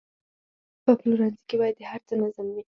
په پلورنځي کې باید د هر څه نظم وي.